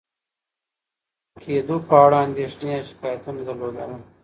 کېدو په اړه اندېښنې یا شکایتونه درلودل،